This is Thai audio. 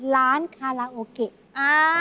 ร้านคาราโอเกะ